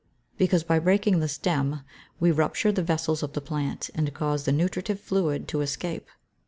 _ Because, by breaking the stem, we rupture the vessels of the plant, and cause the nutritive fluid to escape.